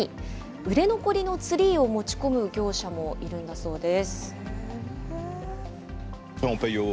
売れ残りのツリーを持ち込む業者もいるんだそうです。